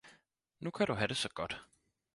Nu kan du have det saa godt